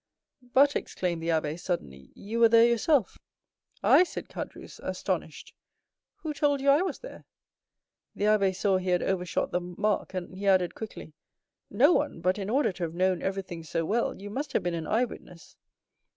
"But," exclaimed the abbé suddenly, "you were there yourself." "I!" said Caderousse, astonished; "who told you I was there?" The abbé saw he had overshot the mark, and he added quickly,—"No one; but in order to have known everything so well, you must have been an eye witness."